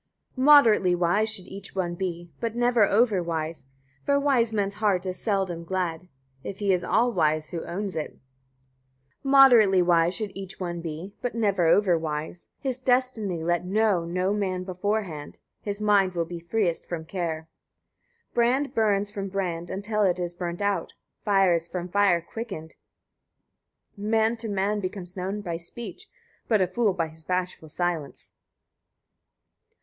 55. Moderately wise should each one be, but never over wise; for a wise man's heart is seldom glad, if he is all wise who owns it. 56. Moderately wise should each one be, but never over wise. His destiny let know no man beforehand; his mind will be freest from' care. 57. Brand burns from brand until it is burnt out; fire is from fire quickened. Man to' man becomes known by speech, but a fool by his bashful silence.